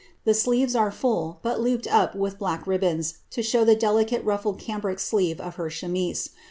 The sleeves arc full, but looped up with black ribbons, to show the delicate ru filed cambric sleeve of her chemise.